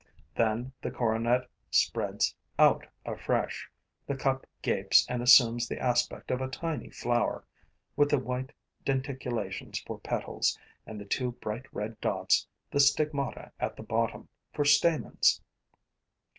Then the coronet spreads out afresh, the cup gapes and assumes the aspect of a tiny flower, with the white denticulations for petals and the two bright red dots, the stigmata at the bottom, for stamens.